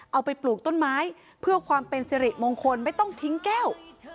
ไปปลูกต้นไม้เพื่อความเป็นสิริมงคลไม่ต้องทิ้งแก้ว